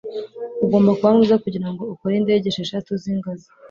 Ugomba kuba mwiza kugirango ukore indege esheshatu zingazi.